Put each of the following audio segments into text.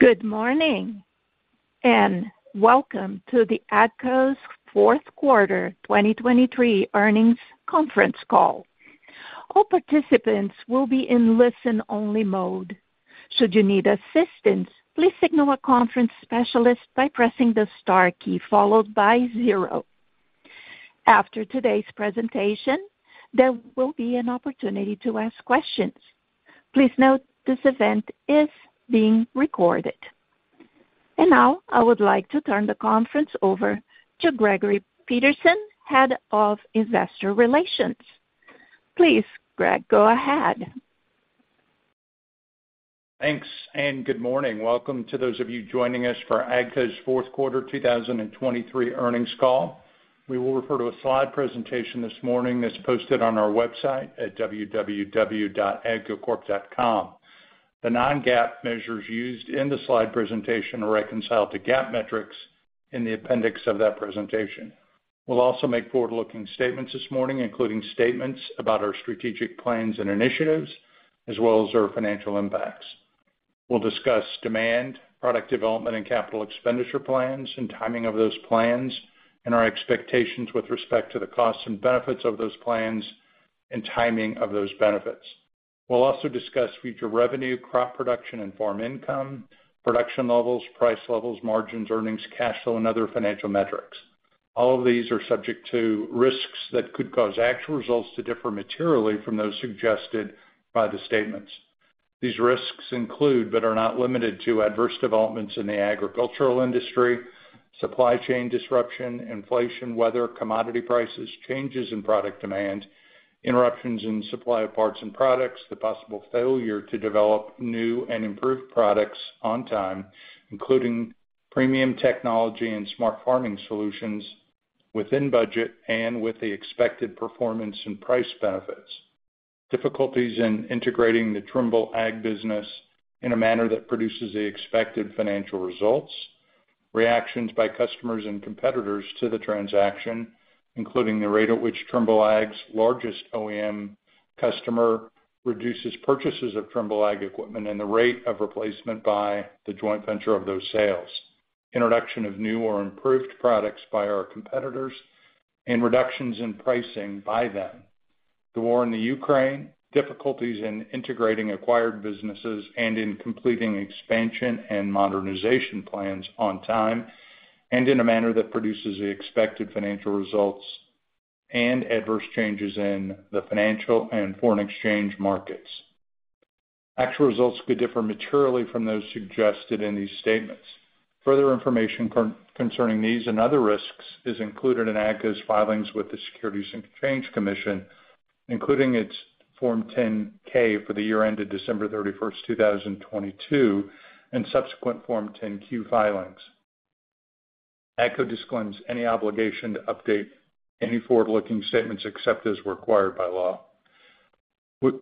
Good morning, and welcome to AGCO's fourth quarter 2023 earnings conference call. All participants will be in listen-only mode. Should you need assistance, please signal a conference specialist by pressing the star key, followed by zero. After today's presentation, there will be an opportunity to ask questions. Please note this event is being recorded. And now, I would like to turn the conference over to Gregory Peterson, Head of Investor Relations. Please, Greg, go ahead. Thanks, and good morning. Welcome to those of you joining us for AGCO's fourth quarter 2023 earnings call. We will refer to a slide presentation this morning that's posted on our website at www.agcocorp.com. The non-GAAP measures used in the slide presentation are reconciled to GAAP metrics in the appendix of that presentation. We'll also make forward-looking statements this morning, including statements about our strategic plans and initiatives, as well as our financial impacts. We'll discuss demand, product development, and capital expenditure plans and timing of those plans, and our expectations with respect to the costs and benefits of those plans and timing of those benefits. We'll also discuss future revenue, crop production, and farm income, production levels, price levels, margins, earnings, cash flow, and other financial metrics. All of these are subject to risks that could cause actual results to differ materially from those suggested by the statements. These risks include, but are not limited to, adverse developments in the agricultural industry, supply chain disruption, inflation, weather, commodity prices, changes in product demand, interruptions in supply of parts and products, the possible failure to develop new and improved products on time, including premium technology and smart farming solutions within budget and with the expected performance and price benefits. Difficulties in integrating the Trimble Ag business in a manner that produces the expected financial results. Reactions by customers and competitors to the transaction, including the rate at which Trimble Ag's largest OEM customer reduces purchases of Trimble Ag equipment, and the rate of replacement by the joint venture of those sales. Introduction of new or improved products by our competitors, and reductions in pricing by them. The war in Ukraine, difficulties in integrating acquired businesses and in completing expansion and modernization plans on time, and in a manner that produces the expected financial results and adverse changes in the financial and foreign exchange markets. Actual results could differ materially from those suggested in these statements. Further information concerning these and other risks is included in AGCO's filings with the Securities and Exchange Commission, including its Form 10-K for the year ended December 31, 2022, and subsequent Form 10-Q filings. AGCO disclaims any obligation to update any forward-looking statements except as required by law.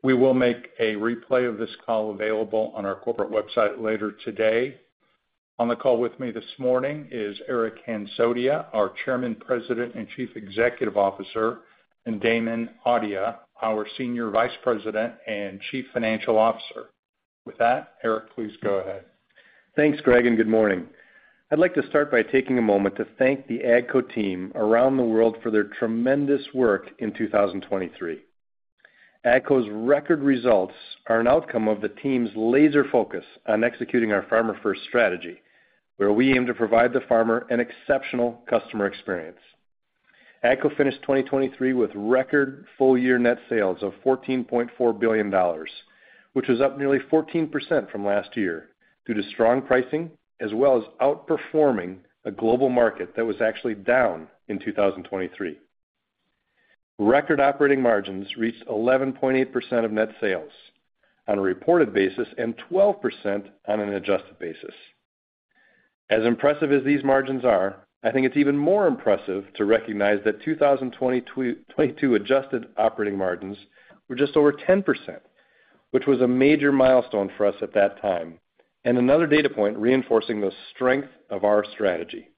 We will make a replay of this call available on our corporate website later today. On the call with me this morning is Eric Hansotia, our Chairman, President, and Chief Executive Officer, and Damon Audia, our Senior Vice President and Chief Financial Officer. With that, Eric, please go ahead. Thanks, Greg, and good morning. I'd like to start by taking a moment to thank the AGCO team around the world for their tremendous work in 2023. AGCO's record results are an outcome of the team's laser focus on executing our Farmer-First strategy, where we aim to provide the farmer an exceptional customer experience. AGCO finished 2023 with record full-year net sales of $14.4 billion, which was up nearly 14% from last year, due to strong pricing, as well as outperforming a global market that was actually down in 2023. Record operating margins reached 11.8% of net sales on a reported basis and 12% on an adjusted basis. As impressive as these margins are, I think it's even more impressive to recognize that 2022 adjusted operating margins were just over 10%, which was a major milestone for us at that time, and another data point reinforcing the strength of our strategy.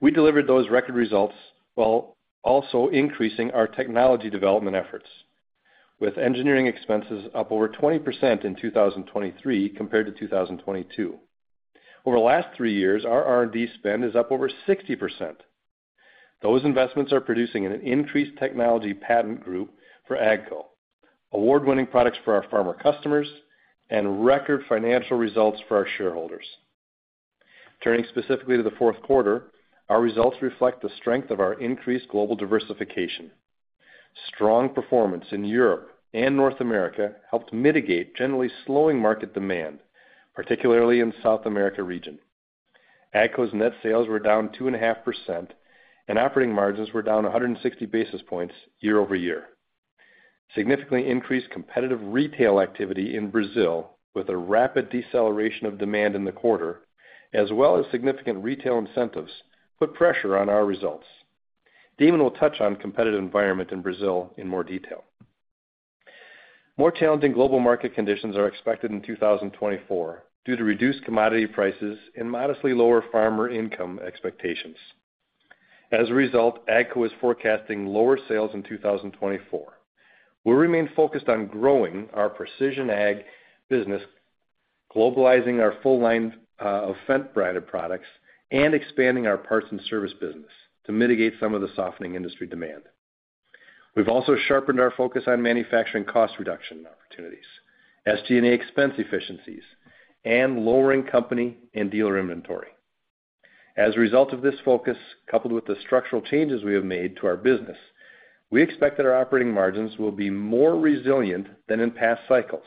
We delivered those record results while also increasing our technology development efforts, with engineering expenses up over 20% in 2023 compared to 2022. Over the last three years, our R&D spend is up over 60%. Those investments are producing an increased technology patent group for AGCO, award-winning products for our farmer customers, and record financial results for our shareholders. Turning specifically to the fourth quarter, our results reflect the strength of our increased global diversification. Strong performance in Europe and North America helped mitigate generally slowing market demand, particularly in South America region. AGCO's net sales were down 2.5%, and operating margins were down 160 basis points year-over-year. Significantly increased competitive retail activity in Brazil, with a rapid deceleration of demand in the quarter, as well as significant retail incentives, put pressure on our results. Damon will touch on competitive environment in Brazil in more detail. More challenging global market conditions are expected in 2024, due to reduced commodity prices and modestly lower farmer income expectations.... As a result, AGCO is forecasting lower sales in 2024. We'll remain focused on growing Precision Ag business, globalizing our full line of Fendt branded products, and expanding our parts and service business to mitigate some of the softening industry demand. We've also sharpened our focus on manufacturing cost reduction opportunities, SG&A expense efficiencies, and lowering company and dealer inventory. As a result of this focus, coupled with the structural changes we have made to our business, we expect that our operating margins will be more resilient than in past cycles.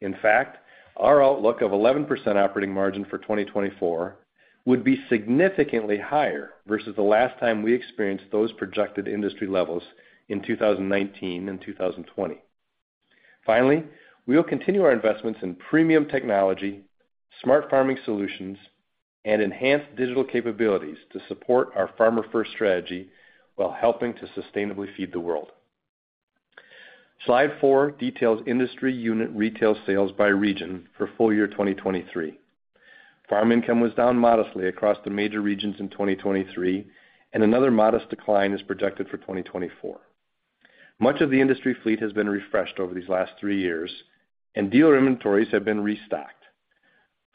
In fact, our outlook of 11% operating margin for 2024 would be significantly higher versus the last time we experienced those projected industry levels in 2019 and 2020. Finally, we will continue our investments in premium technology, smart farming solutions, and enhanced digital capabilities to support our farmer-first strategy while helping to sustainably feed the world. Slide 4 details industry unit retail sales by region for full year 2023. Farm income was down modestly across the major regions in 2023, and another modest decline is projected for 2024. Much of the industry fleet has been refreshed over these last three years, and dealer inventories have been restocked.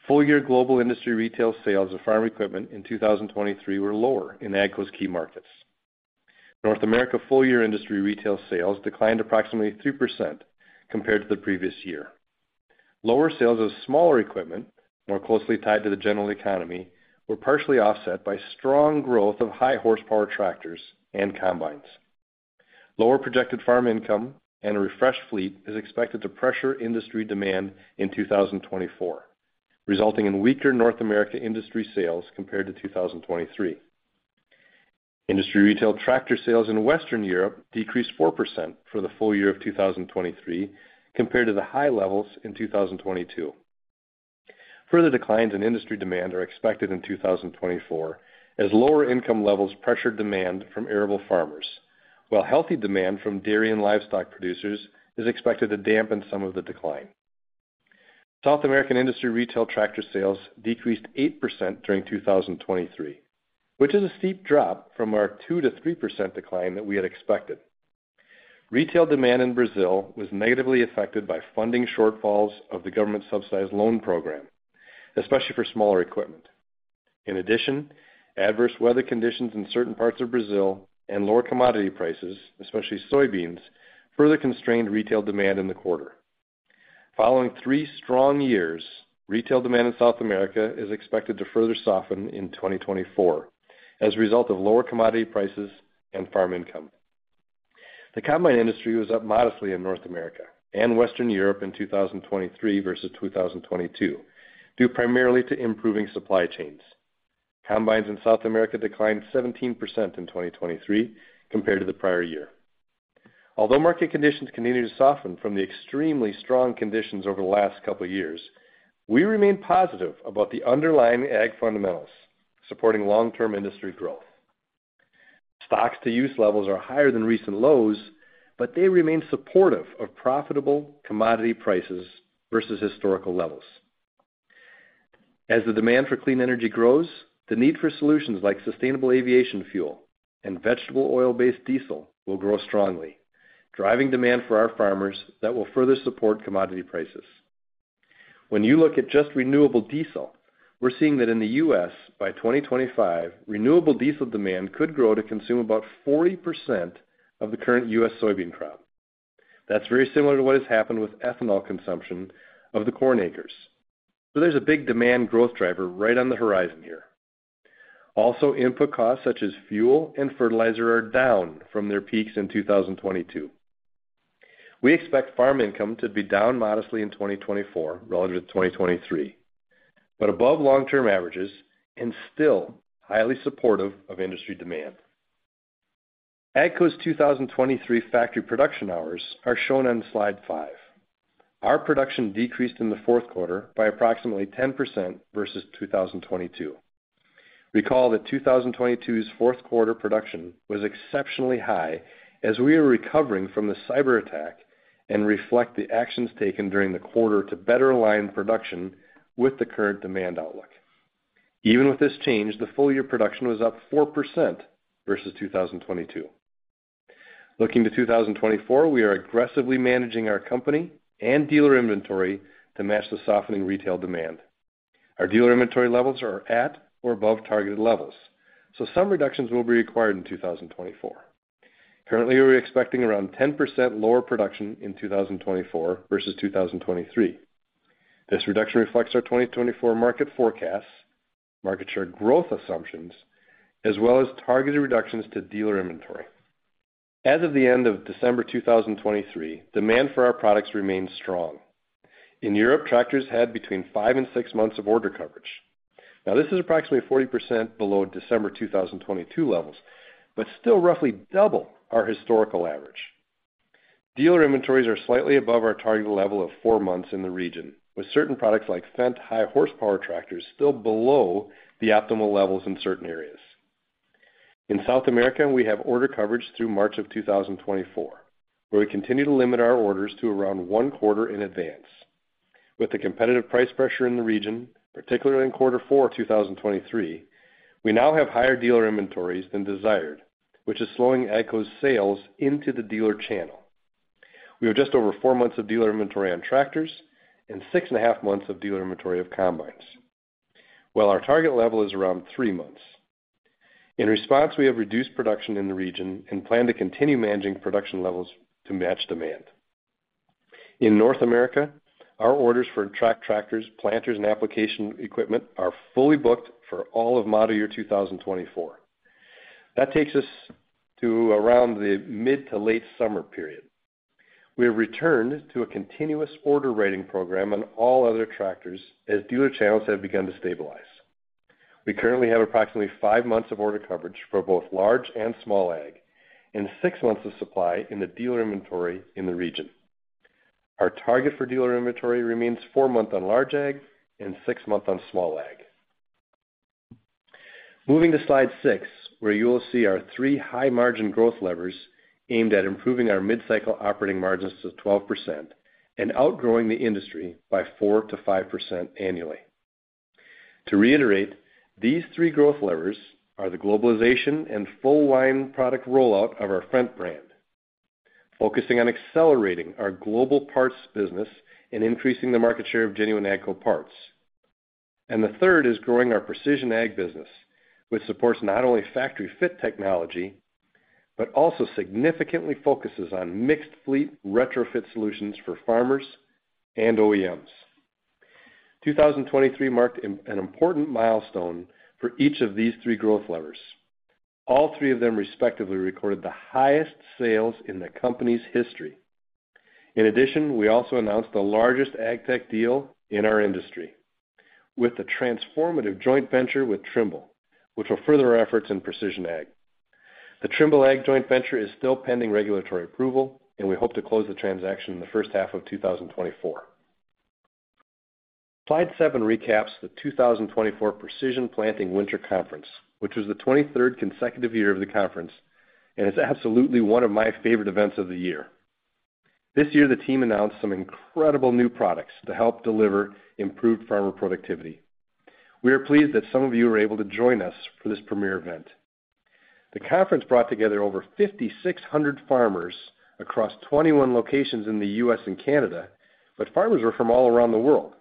Full-year global industry retail sales of farm equipment in 2023 were lower in AGCO's key markets. North America full-year industry retail sales declined approximately 3% compared to the previous year. Lower sales of smaller equipment, more closely tied to the general economy, were partially offset by strong growth of high horsepower tractors and combines. Lower projected farm income and a refreshed fleet is expected to pressure industry demand in 2024, resulting in weaker North America industry sales compared to 2023. Industry retail tractor sales in Western Europe decreased 4% for the full year of 2023 compared to the high levels in 2022. Further declines in industry demand are expected in 2024, as lower income levels pressure demand from arable farmers, while healthy demand from dairy and livestock producers is expected to dampen some of the decline. South American industry retail tractor sales decreased 8% during 2023, which is a steep drop from our 2%-3% decline that we had expected. Retail demand in Brazil was negatively affected by funding shortfalls of the government's subsidized loan program, especially for smaller equipment. In addition, adverse weather conditions in certain parts of Brazil and lower commodity prices, especially soybeans, further constrained retail demand in the quarter. Following three strong years, retail demand in South America is expected to further soften in 2024 as a result of lower commodity prices and farm income. The combine industry was up modestly in North America and Western Europe in 2023 versus 2022, due primarily to improving supply chains. Combines in South America declined 17% in 2023 compared to the prior year. Although market conditions continue to soften from the extremely strong conditions over the last couple of years, we remain positive about the underlying ag fundamentals supporting long-term industry growth. Stocks to use levels are higher than recent lows, but they remain supportive of profitable commodity prices versus historical levels. As the demand for clean energy grows, the need for solutions like sustainable aviation fuel and vegetable oil-based diesel will grow strongly, driving demand for our farmers that will further support commodity prices. When you look at just renewable diesel, we're seeing that in the US, by 2025, renewable diesel demand could grow to consume about 40% of the current US soybean crop. That's very similar to what has happened with ethanol consumption of the corn acres. So there's a big demand growth driver right on the horizon here. Also, input costs such as fuel and fertilizer are down from their peaks in 2022. We expect farm income to be down modestly in 2024 relative to 2023, but above long-term averages and still highly supportive of industry demand. AGCO's 2023 factory production hours are shown on Slide 5. Our production decreased in the fourth quarter by approximately 10% versus 2022. Recall that 2022's fourth quarter production was exceptionally high as we were recovering from the cyberattack and reflect the actions taken during the quarter to better align production with the current demand outlook. Even with this change, the full year production was up 4% versus 2022. Looking to 2024, we are aggressively managing our company and dealer inventory to match the softening retail demand. Our dealer inventory levels are at or above targeted levels, so some reductions will be required in 2024. Currently, we're expecting around 10% lower production in 2024 versus 2023. This reduction reflects our 2024 market forecasts, market share growth assumptions, as well as targeted reductions to dealer inventory. As of the end of December 2023, demand for our products remains strong. In Europe, tractors had between 5 and 6 months of order coverage. Now, this is approximately 40% below December 2022 levels, but still roughly double our historical average. Dealer inventories are slightly above our target level of 4 months in the region, with certain products like Fendt high horsepower tractors still below the optimal levels in certain areas. In South America, we have order coverage through March 2024, where we continue to limit our orders to around 1 quarter in advance. With the competitive price pressure in the region, particularly in quarter four 2023, we now have higher dealer inventories than desired, which is slowing AGCO's sales into the dealer channel. We have just over 4 months of dealer inventory on tractors and 6.5 months of dealer inventory of combines, while our target level is around 3 months. In response, we have reduced production in the region and plan to continue managing production levels to match demand. In North America, our orders for track tractors, planters, and application equipment are fully booked for all of model year 2024. That takes us to around the mid to late summer period. We have returned to a continuous order rating program on all other tractors as dealer channels have begun to stabilize. We currently have approximately 5 months of order coverage for both large and small ag, and 6 months of supply in the dealer inventory in the region. Our target for dealer inventory remains 4 months on large ag and 6 months on small ag. Moving to Slide 6, where you will see our 3 high-margin growth levers aimed at improving our mid-cycle operating margins to 12% and outgrowing the industry by 4%-5% annually. To reiterate, these three growth levers are the globalization and full line product rollout of our Fendt brand, focusing on accelerating our global parts business, and increasing the market share of genuine AGCO parts. And the third is growing Precision Ag business, which supports not only factory fit technology, but also significantly focuses on mixed fleet retrofit solutions for farmers and OEMs. 2023 marked an important milestone for each of these three growth levers. All three of them respectively recorded the highest sales in the company's history. In addition, we also announced the largest ag tech deal in our industry with the transformative joint venture with Trimble, which will further our efforts Precision Ag. the Trimble Ag joint venture is still pending regulatory approval, and we hope to close the transaction in the first half of 2024. Slide seven recaps the 2024 Precision Planting Winter Conference, which was the 23rd consecutive year of the conference, and it's absolutely one of my favorite events of the year. This year, the team announced some incredible new products to help deliver improved farmer productivity. We are pleased that some of you were able to join us for this premier event. The conference brought together over 5,600 farmers across 21 locations in the U.S. and Canada, but farmers were from all around the world.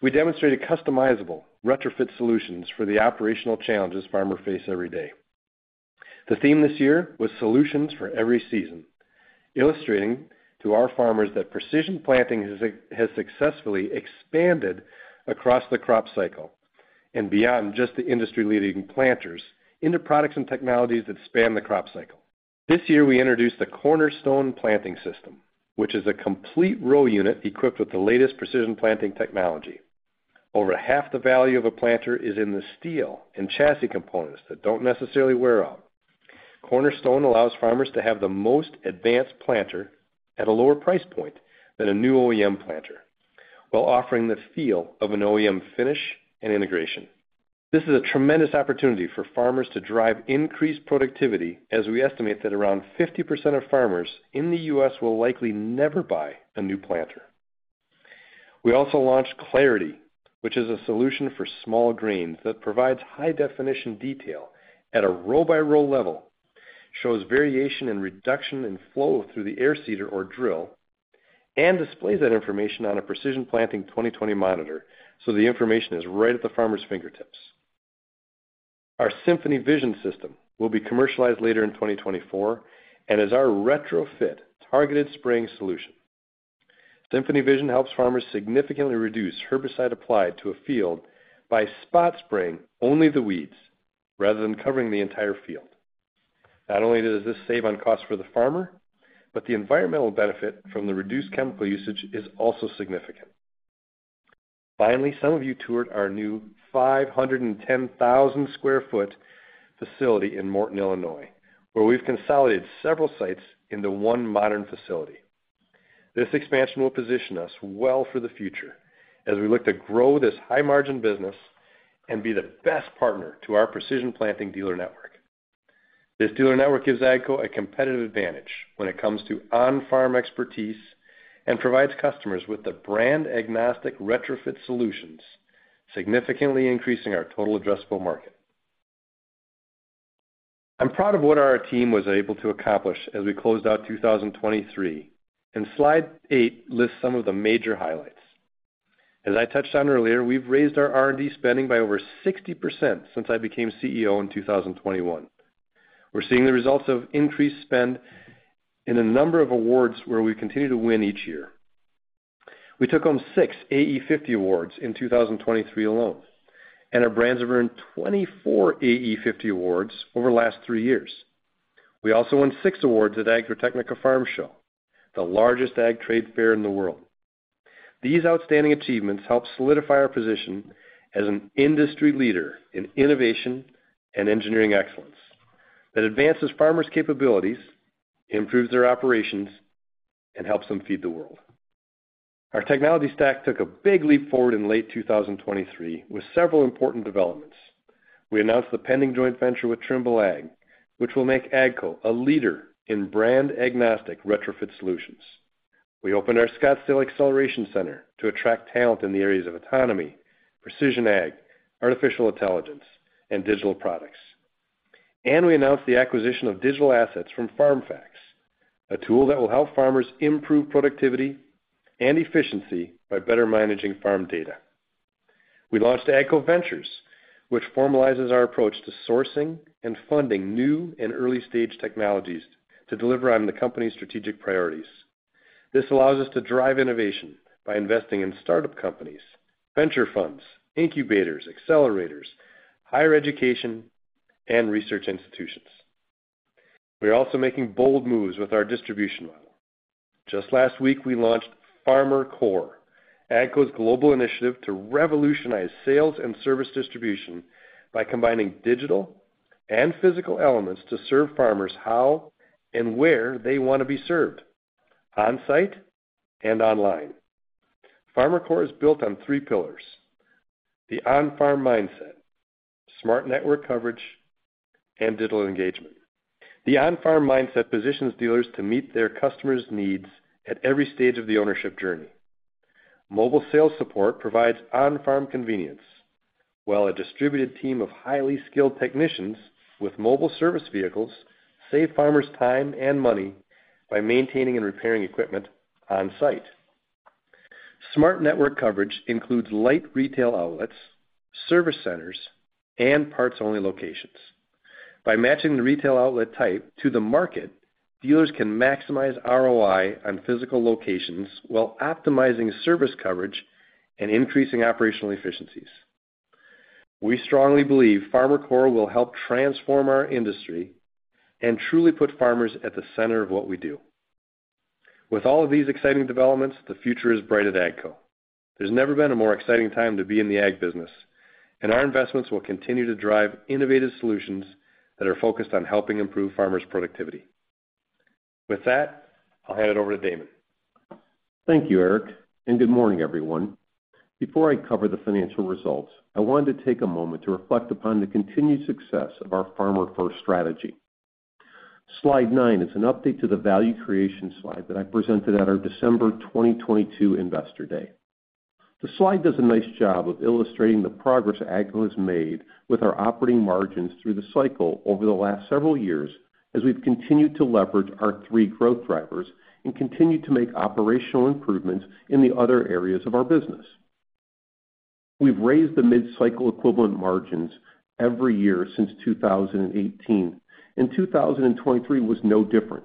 We demonstrated customizable retrofit solutions for the operational challenges farmers face every day. The theme this year was Solutions for Every Season, illustrating to our farmers that Precision Planting has successfully expanded across the crop cycle and beyond, just the industry-leading planters, into products and technologies that span the crop cycle. This year, we introduced the Cornerstone Planting System, which is a complete row unit equipped with the latest precision planting technology. Over half the value of a planter is in the steel and chassis components that don't necessarily wear out. Cornerstone allows farmers to have the most advanced planter at a lower price point than a new OEM planter, while offering the feel of an OEM finish and integration. This is a tremendous opportunity for farmers to drive increased productivity, as we estimate that around 50% of farmers in the U.S. will likely never buy a new planter. We also launched Clarity, which is a solution for small grains that provides high-definition detail at a row-by-row level, shows variation in reduction and flow through the air seeder or drill, and displays that information on a Precision Planting 20|20 monitor, so the information is right at the farmer's fingertips. Our Symphony Vision system will be commercialized later in 2024 and is our retrofit targeted spraying solution. Symphony Vision helps farmers significantly reduce herbicide applied to a field by spot spraying only the weeds rather than covering the entire field. Not only does this save on cost for the farmer, but the environmental benefit from the reduced chemical usage is also significant. Finally, some of you toured our new 510,000 sq ft facility in Morton, Illinois, where we've consolidated several sites into one modern facility. This expansion will position us well for the future as we look to grow this high-margin business and be the best partner to our Precision Planting dealer network. This dealer network gives AGCO a competitive advantage when it comes to on-farm expertise and provides customers with the brand-agnostic retrofit solutions, significantly increasing our total addressable market. I'm proud of what our team was able to accomplish as we closed out 2023, and Slide 8 lists some of the major highlights. As I touched on earlier, we've raised our R&D spending by over 60% since I became CEO in 2021. We're seeing the results of increased spend in a number of awards where we continue to win each year. We took home 6 AE50 awards in 2023 alone, and our brands have earned 24 AE50 awards over the last 3 years. We also won 6 awards at Agritechnica farm show, the largest ag trade fair in the world. These outstanding achievements help solidify our position as an industry leader in innovation and engineering excellence that advances farmers' capabilities, improves their operations, and helps them feed the world. Our technology stack took a big leap forward in late 2023 with several important developments... We announced the pending joint venture with Trimble Ag, which will make AGCO a leader in brand-agnostic retrofit solutions. We opened our Scottsdale Acceleration Center to attract talent in the areas of Precision Ag, artificial intelligence, and digital products. And we announced the acquisition of digital assets from FarmFacts, a tool that will help farmers improve productivity and efficiency by better managing farm data. We launched AGCO Ventures, which formalizes our approach to sourcing and funding new and early-stage technologies to deliver on the company's strategic priorities. This allows us to drive innovation by investing in startup companies, venture funds, incubators, accelerators, higher education, and research institutions. We are also making bold moves with our distribution model. Just last week, we launched FarmerCore, AGCO's global initiative to revolutionize sales and service distribution by combining digital and physical elements to serve farmers how and where they want to be served, on-site and online. FarmerCore is built on three pillars: the On-Farm Mindset, Smart Network Coverage, and Digital Engagement. The On-Farm Mindset positions dealers to meet their customers' needs at every stage of the ownership journey. Mobile sales support provides on-farm convenience, while a distributed team of highly skilled technicians with mobile service vehicles save farmers time and money by maintaining and repairing equipment on-site. Smart Network Coverage includes light retail outlets, service centers, and parts-only locations. By matching the retail outlet type to the market, dealers can maximize ROI on physical locations while optimizing service coverage and increasing operational efficiencies. We strongly believe FarmerCore will help transform our industry and truly put farmers at the center of what we do. With all of these exciting developments, the future is bright at AGCO. There's never been a more exciting time to be in the ag business, and our investments will continue to drive innovative solutions that are focused on helping improve farmers' productivity. With that, I'll hand it over to Damon. Thank you, Eric, and good morning, everyone. Before I cover the financial results, I wanted to take a moment to reflect upon the continued success of our farmer-first strategy. Slide 9 is an update to the value creation slide that I presented at our December 2022 Investor Day. The slide does a nice job of illustrating the progress AGCO has made with our operating margins through the cycle over the last several years, as we've continued to leverage our three growth drivers and continued to make operational improvements in the other areas of our business. We've raised the mid-cycle equivalent margins every year since 2018, and 2023 was no different.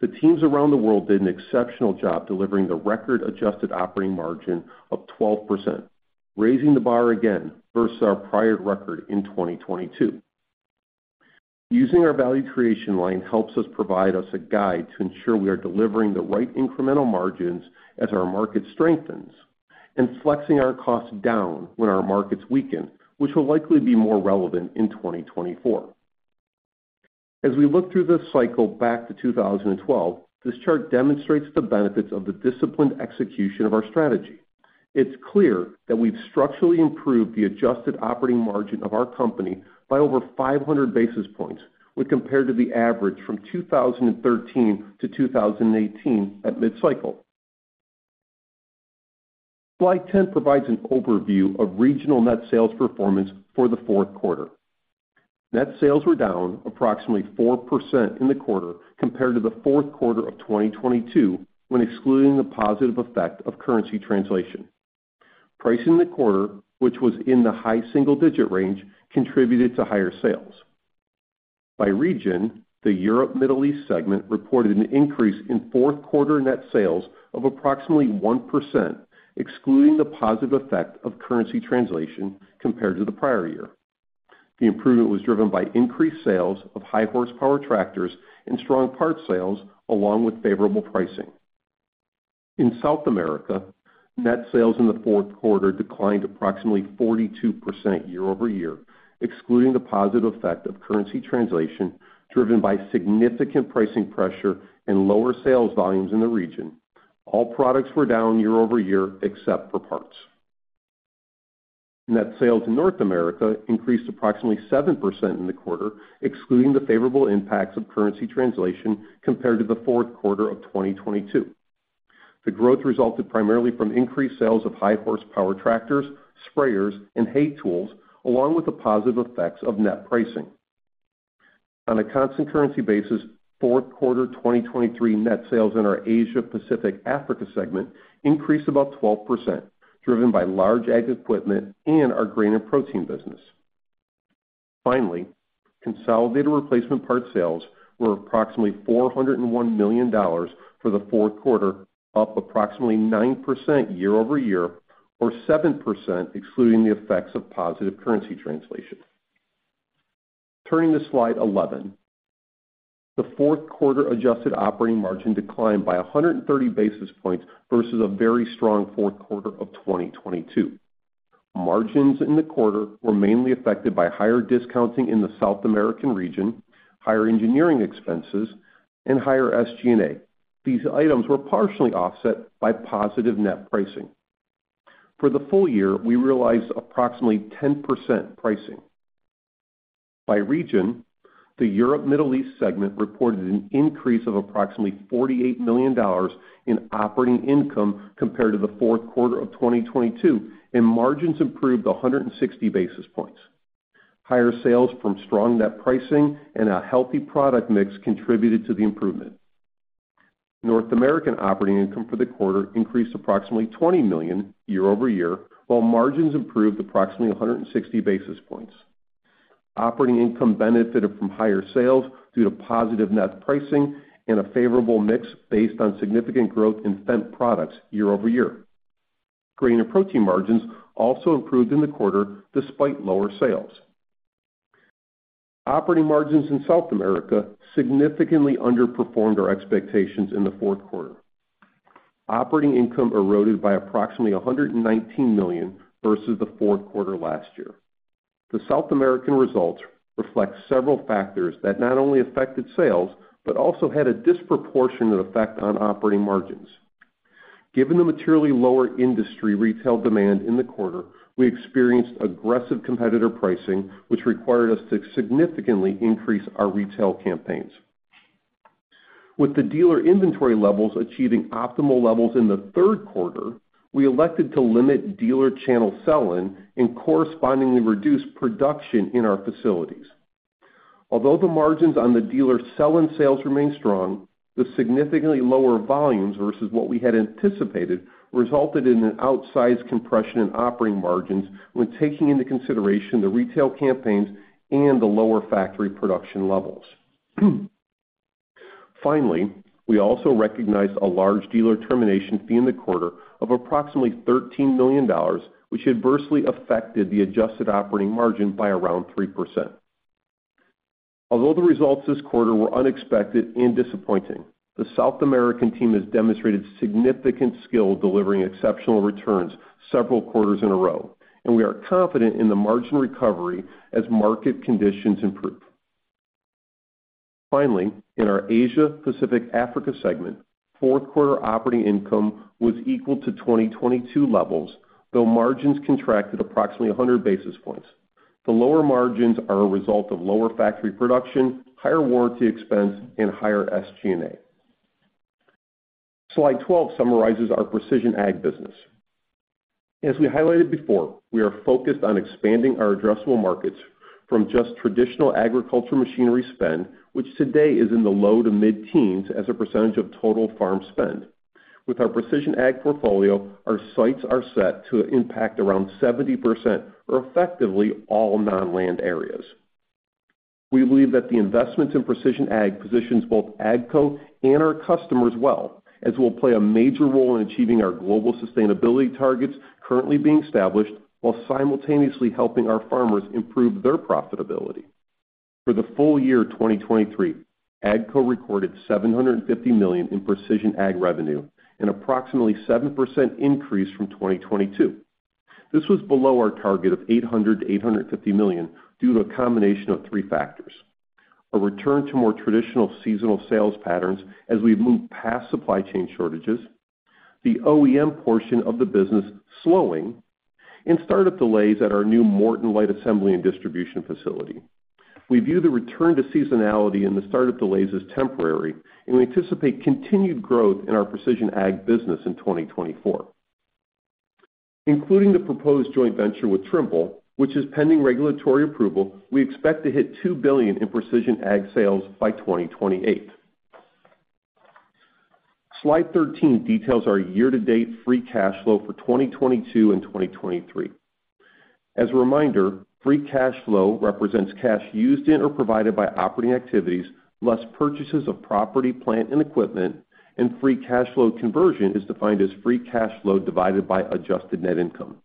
The teams around the world did an exceptional job delivering a record adjusted operating margin of 12%, raising the bar again versus our prior record in 2022. Using our value creation line helps us provide us a guide to ensure we are delivering the right incremental margins as our market strengthens and flexing our costs down when our markets weaken, which will likely be more relevant in 2024. As we look through this cycle back to 2012, this chart demonstrates the benefits of the disciplined execution of our strategy. It's clear that we've structurally improved the adjusted operating margin of our company by over 500 basis points when compared to the average from 2013 to 2018 at mid-cycle. Slide 10 provides an overview of regional net sales performance for the fourth quarter. Net sales were down approximately 4% in the quarter compared to the fourth quarter of 2022, when excluding the positive effect of currency translation. Pricing in the quarter, which was in the high single-digit range, contributed to higher sales. By region, the Europe/Middle East segment reported an increase in fourth-quarter net sales of approximately 1%, excluding the positive effect of currency translation compared to the prior year. The improvement was driven by increased sales of high horsepower tractors and strong parts sales, along with favorable pricing. In South America, net sales in the fourth quarter declined approximately 42% year-over-year, excluding the positive effect of currency translation, driven by significant pricing pressure and lower sales volumes in the region. All products were down year-over-year, except for parts. Net sales in North America increased approximately 7% in the quarter, excluding the favorable impacts of currency translation compared to the fourth quarter of 2022. The growth resulted primarily from increased sales of high horsepower tractors, sprayers, and hay tools, along with the positive effects of net pricing. On a constant currency basis, fourth quarter 2023 net sales in our Asia/Pacific/Africa segment increased about 12%, driven by large ag equipment and our Grain & Protein business. Finally, consolidated replacement parts sales were approximately $401 million for the fourth quarter, up approximately 9% year-over-year or 7% excluding the effects of positive currency translation. Turning to slide 11. The fourth quarter adjusted operating margin declined by 130 basis points versus a very strong fourth quarter of 2022. Margins in the quarter were mainly affected by higher discounting in the South American region, higher engineering expenses, and higher SG&A. These items were partially offset by positive net pricing. For the full year, we realized approximately 10% pricing. By region, the Europe/Middle East segment reported an increase of approximately $48 million in operating income compared to the fourth quarter of 2022, and margins improved 160 basis points. Higher sales from strong net pricing and a healthy product mix contributed to the improvement. North American operating income for the quarter increased approximately $20 million year-over-year, while margins improved approximately 160 basis points. Operating income benefited from higher sales due to positive net pricing and a favorable mix based on significant growth in Fendt products year-over-year. Grain & Protein margins also improved in the quarter despite lower sales. Operating margins in South America significantly underperformed our expectations in the fourth quarter. Operating income eroded by approximately $119 million versus the fourth quarter last year. The South American results reflect several factors that not only affected sales, but also had a disproportionate effect on operating margins. Given the materially lower industry retail demand in the quarter, we experienced aggressive competitor pricing, which required us to significantly increase our retail campaigns. With the dealer inventory levels achieving optimal levels in the third quarter, we elected to limit dealer channel sell-in and correspondingly reduce production in our facilities. Although the margins on the dealer sell-in sales remained strong, the significantly lower volumes versus what we had anticipated, resulted in an outsized compression in operating margins, when taking into consideration the retail campaigns and the lower factory production levels. Finally, we also recognized a large dealer termination fee in the quarter of approximately $13 million, which adversely affected the adjusted operating margin by around 3%. Although the results this quarter were unexpected and disappointing, the South America team has demonstrated significant skill delivering exceptional returns several quarters in a row, and we are confident in the margin recovery as market conditions improve. Finally, in our Asia/Pacific/Africa segment, fourth quarter operating income was equal to 2022 levels, though margins contracted approximately 100 basis points. The lower margins are a result of lower factory production, higher warranty expense, and higher SG&A. Slide 12 summarizes Precision Ag business. As we highlighted before, we are focused on expanding our addressable markets from just traditional agricultural machinery spend, which today is in the low to mid-teens as a percentage of total farm spend. With Precision Ag portfolio, our sights are set to impact around 70% or effectively all non-land areas. We believe that the investments Precision Ag positions both AGCO and our customers well, as we'll play a major role in achieving our global sustainability targets currently being established, while simultaneously helping our farmers improve their profitability. For the full year 2023, AGCO recorded $750 million Precision Ag revenue and approximately 7% increase from 2022. This was below our target of $800 million-$850 million due to a combination of three factors. A return to more traditional seasonal sales patterns as we've moved past supply chain shortages, the OEM portion of the business slowing, and startup delays at our new Morton light assembly and distribution facility. We view the return to seasonality and the start of delays as temporary, and we anticipate continued growth in Precision Ag business in 2024. Including the proposed joint venture with Trimble, which is pending regulatory approval, we expect to hit $2 billion Precision Ag sales by 2028. Slide 13 details our year-to-date free cash flow for 2022 and 2023. As a reminder, free cash flow represents cash used in or provided by operating activities, less purchases of property, plant, and equipment, and free cash flow conversion is defined as free cash flow divided by adjusted net income.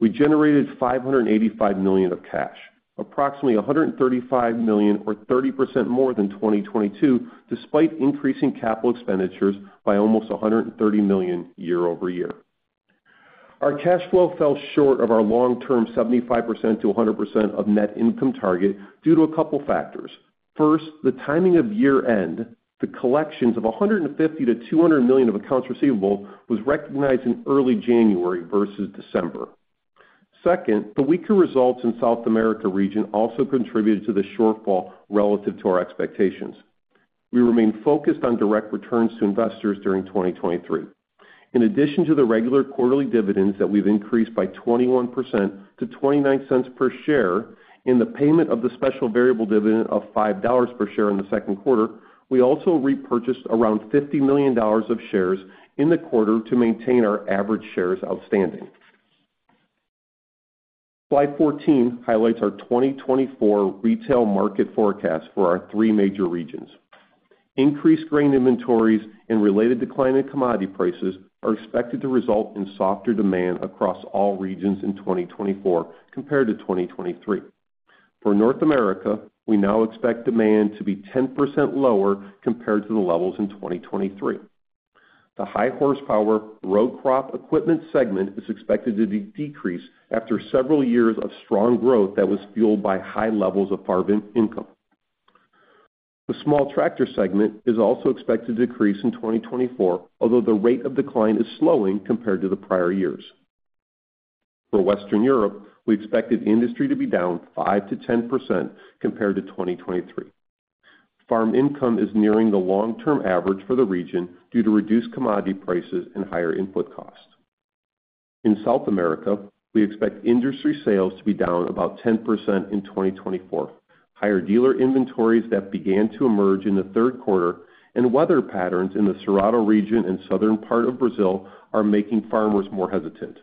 We generated $585 million of cash, approximately $135 million, or 30% more than 2022, despite increasing capital expenditures by almost $130 million year-over-year. Our cash flow fell short of our long-term 75%-100% of net income target due to a couple factors. First, the timing of year-end, the collections of $150-$200 million of accounts receivable was recognized in early January versus December. Second, the weaker results in South America region also contributed to the shortfall relative to our expectations. We remain focused on direct returns to investors during 2023. In addition to the regular quarterly dividends that we've increased by 21% to $0.29 per share, in the payment of the special variable dividend of $5 per share in the second quarter, we also repurchased around $50 million of shares in the quarter to maintain our average shares outstanding. Slide 14 highlights our 2024 retail market forecast for our three major regions. Increased grain inventories and related decline in commodity prices are expected to result in softer demand across all regions in 2024 compared to 2023. For North America, we now expect demand to be 10% lower compared to the levels in 2023. The high horsepower row crop equipment segment is expected to decrease after several years of strong growth that was fueled by high levels of farm income. The small tractor segment is also expected to decrease in 2024, although the rate of decline is slowing compared to the prior years. For Western Europe, we expected industry to be down 5%-10% compared to 2023. Farm income is nearing the long-term average for the region due to reduced commodity prices and higher input costs. In South America, we expect industry sales to be down about 10% in 2024. Higher dealer inventories that began to emerge in the third quarter and weather patterns in the Cerrado region and southern part of Brazil are making farmers more hesitant.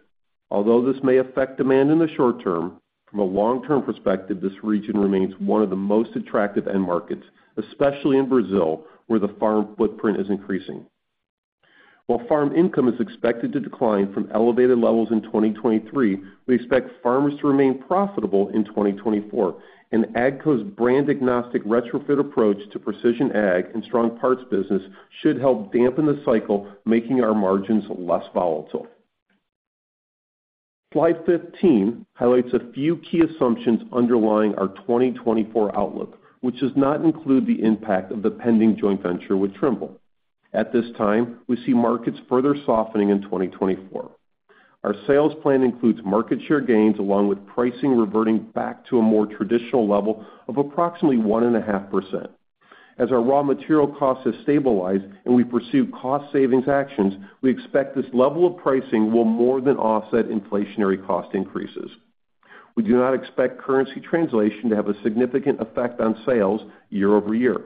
Although this may affect demand in the short term, from a long-term perspective, this region remains one of the most attractive end markets, especially in Brazil, where the farm footprint is increasing. While farm income is expected to decline from elevated levels in 2023, we expect farmers to remain profitable in 2024, and AGCO's brand-agnostic retrofit approach Precision Ag and strong parts business should help dampen the cycle, making our margins less volatile. Slide 15 highlights a few key assumptions underlying our 2024 outlook, which does not include the impact of the pending joint venture with Trimble. At this time, we see markets further softening in 2024. Our sales plan includes market share gains along with pricing reverting back to a more traditional level of approximately 1.5%. As our raw material costs have stabilized and we pursue cost savings actions, we expect this level of pricing will more than offset inflationary cost increases. We do not expect currency translation to have a significant effect on sales year-over-year.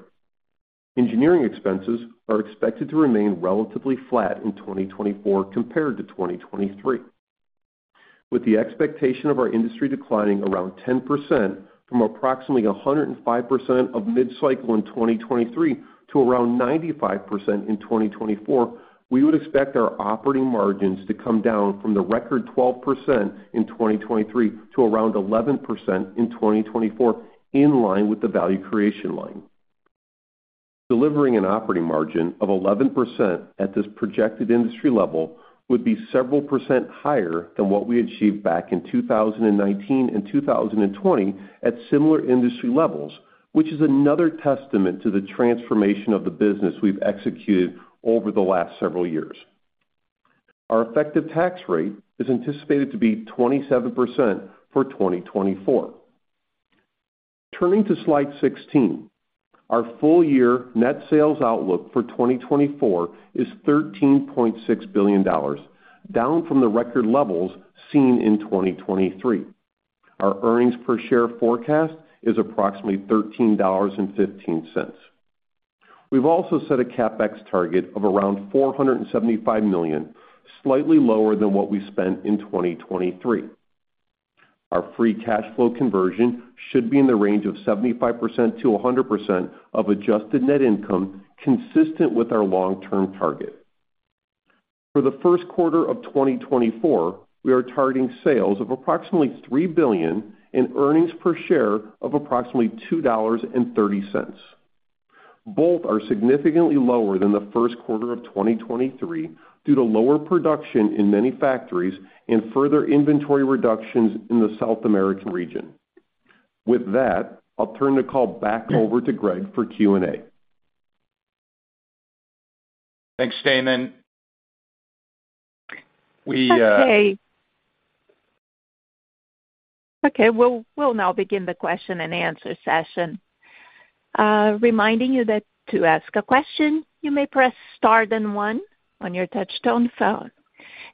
Engineering expenses are expected to remain relatively flat in 2024 compared to 2023. With the expectation of our industry declining around 10% from approximately 105% of mid-cycle in 2023 to around 95% in 2024, we would expect our operating margins to come down from the record 12% in 2023 to around 11% in 2024, in line with the value creation line. Delivering an operating margin of 11% at this projected industry level would be several percent higher than what we achieved back in 2019 and 2020 at similar industry levels, which is another testament to the transformation of the business we've executed over the last several years. Our effective tax rate is anticipated to be 27% for 2024. Turning to slide 16. Our full year net sales outlook for 2024 is $13.6 billion, down from the record levels seen in 2023. Our earnings per share forecast is approximately $13.15. We've also set a CapEx target of around $475 million, slightly lower than what we spent in 2023. Our free cash flow conversion should be in the range of 75%-100% of adjusted net income, consistent with our long-term target. For the first quarter of 2024, we are targeting sales of approximately $3 billion and earnings per share of approximately $2.30. Both are significantly lower than the first quarter of 2023 due to lower production in many factories and further inventory reductions in the South American region. With that, I'll turn the call back over to Greg for Q&A. Thanks, Damon. We Okay. Okay, we'll now begin the question-and-answer session. Reminding you that to ask a question, you may press star, then one on your touchtone phone.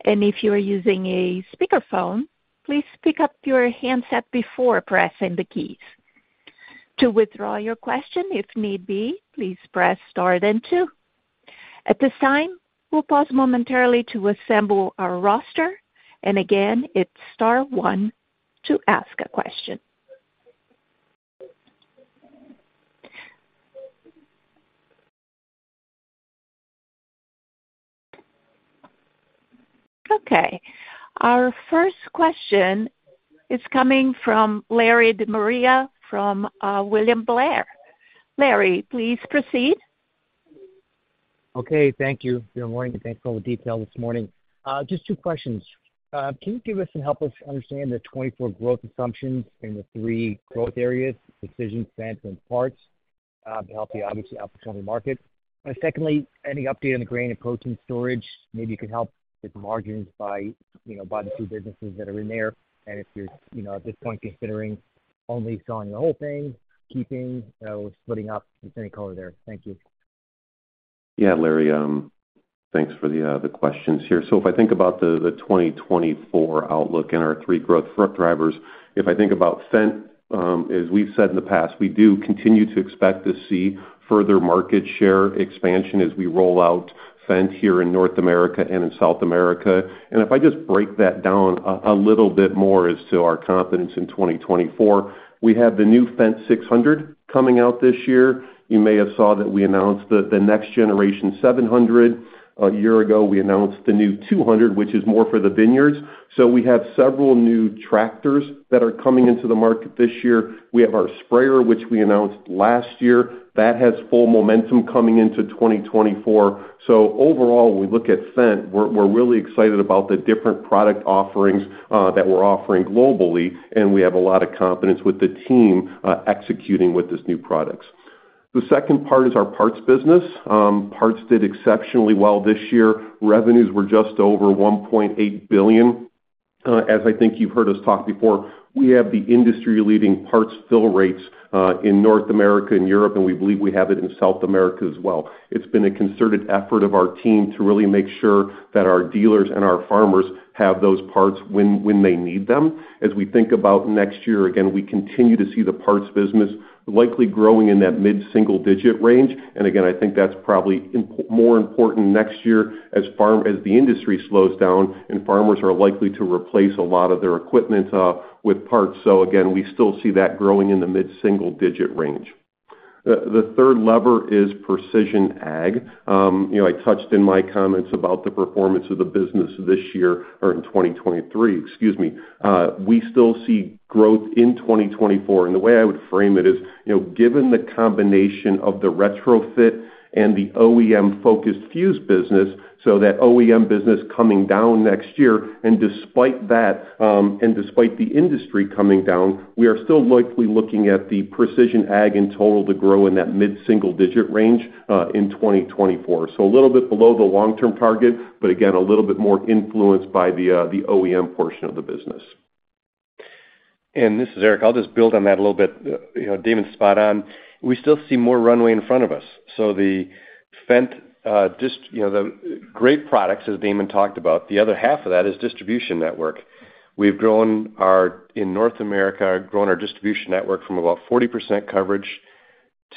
And if you are using a speakerphone, please pick up your handset before pressing the keys. To withdraw your question, if need be, please press star, then two. At this time, we'll pause momentarily to assemble our roster, and again, it's star one to ask a question. Okay, our first question is coming from Larry DeMaria, from William Blair. Larry, please proceed. Okay, thank you. Good morning, and thanks for all the detail this morning. Just two questions. Can you give us and help us understand the 24 growth assumptions in the three growth areas, precision, Fendt, and parts, to help you obviously outperform the market? And secondly, any update on the Grain & Protein strategy? Maybe you can help with margins by, you know, by the two businesses that are in there, and if you're, you know, at this point, considering only selling the whole thing, keeping, splitting up any color there. Thank you. Yeah, Larry, thanks for the questions here. So if I think about the 2024 outlook and our three growth drivers, if I think about Fendt, as we've said in the past, we do continue to expect to see further market share expansion as we roll out Fendt here in North America and in South America. And if I just break that down a little bit more as to our confidence in 2024, we have the new Fendt 600 coming out this year. You may have saw that we announced the next generation 700. A year ago, we announced the new 200, which is more for the vineyards. So we have several new tractors that are coming into the market this year. We have our sprayer, which we announced last year. That has full momentum coming into 2024. So overall, when we look at Fendt, we're really excited about the different product offerings that we're offering globally, and we have a lot of confidence with the team executing with this new products. The second part is our parts business. Parts did exceptionally well this year. Revenues were just over $1.8 billion. As I think you've heard us talk before, we have the industry-leading parts fill rates in North America and Europe, and we believe we have it in South America as well. It's been a concerted effort of our team to really make sure that our dealers and our farmers have those parts when they need them. As we think about next year, again, we continue to see the parts business likely growing in that mid-single-digit range. And again, I think that's probably more important next year as the industry slows down and farmers are likely to replace a lot of their equipment with parts. So again, we still see that growing in the mid-single-digit range. The third lever Precision Ag. you know, I touched in my comments about the performance of the business this year or in 2023, excuse me. We still see growth in 2024, and the way I would frame it is, you know, given the combination of the retrofit and the OEM-focused Fuse business, so that OEM business coming down next year, and despite that, and despite the industry coming down, we are still likely looking at Precision Ag in total to grow in that mid-single-digit range in 2024. So a little bit below the long-term target, but again, a little bit more influenced by the OEM portion of the business. This is Eric. I'll just build on that a little bit. You know, Damon's spot on. We still see more runway in front of us. So the Fendt, you know, the great products, as Damon talked about, the other half of that is distribution network. We've grown our distribution network in North America from about 40% coverage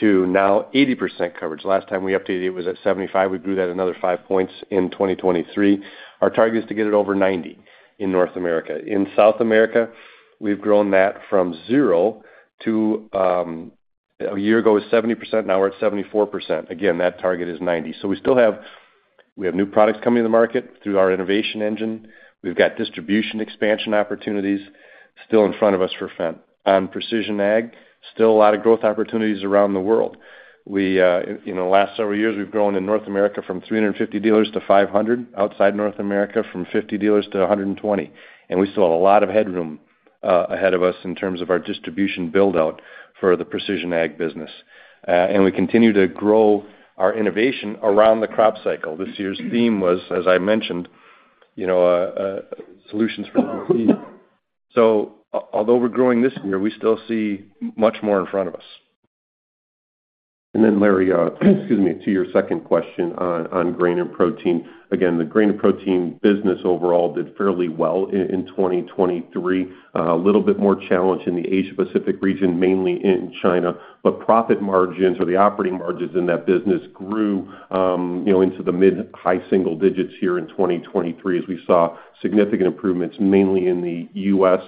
to now 80% coverage. Last time we updated, it was at 75%. We grew that another 5 points in 2023. Our target is to get it over 90% in North America. In South America, we've grown that from 0% to, a year ago, it was 70%, now we're at 74%. Again, that target is 90%. So we still have we have new products coming to the market through our innovation engine. We've got distribution expansion opportunities still in front of us for Fendt. Precision Ag, still a lot of growth opportunities around the world. We, you know, last several years, we've grown in North America from 350 dealers to 500, outside North America, from 50 dealers to 120. We saw a lot of headroom ahead of us in terms of our distribution build-out for Precision Ag business. We continue to grow our innovation around the crop cycle. This year's theme was, as I mentioned, you know, solutions for the. So although we're growing this year, we still see much more in front of us. Larry, excuse me, to your second question on Grain & Protein. Again, the Grain & Protein business overall did fairly well in 2023. A little bit more challenge in the Asia Pacific region, mainly in China, but profit margins or the operating margins in that business grew, you know, into the mid-high single digits here in 2023, as we saw significant improvements, mainly in the U.S.